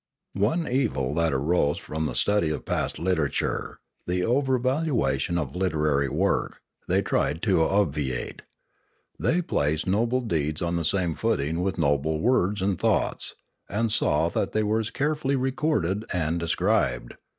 One evil that arose from the study of past literature, the over valuation of literary work, they tried to ob viate. They placed noble deeds on the same footing with noble words and thoughts, and saw that they were as carefully recorded and described.